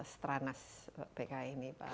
seteranas pki ini pak halah